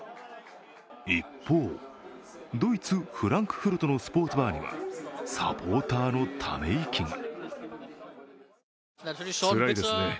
一方、ドイツ・フランクフルトのスポーツバーにはサポーターのため息が。